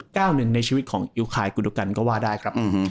ก้าวหนึ่งในชีวิตของอิวคายกุโดกันก็ว่าได้ครับ